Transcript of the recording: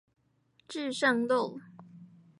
至聖路